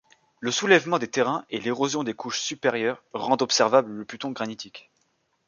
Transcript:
Le soulèvement des terrains et l'érosion des couches supérieures rendent observable le pluton granitique.